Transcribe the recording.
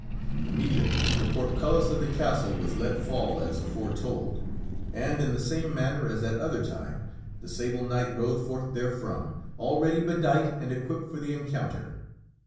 Immediately the portcullis of the castle was let fall as KingArthur afore told, and, in the same manner as that other time, the <iienges King Sable Knight rode forth therefrom, already bedight and b * tt again . equipped for the encounter.